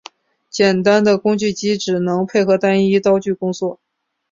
简易的工具机只能配合单一刀具作业。